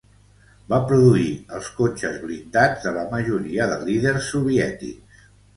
Va produir els cotxes blindats de la majoria de líders soviètics.